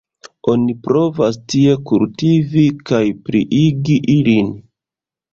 Oni provas tie kultivi kaj pliigi ilin.